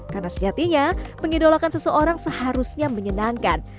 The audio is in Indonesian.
karena sejatinya pengidolakan seseorang seharusnya menyenangkan